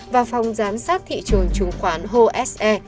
và phòng giám sát thị trường trung khoán hồ s e